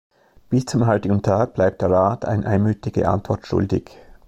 Bis zum heutigen Tage bleibt der Rat eine einmütige Antwort schuldig.